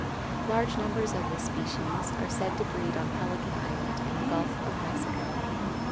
Large numbers of this species are said to breed on Pelican Island in the Gulf of Mexico.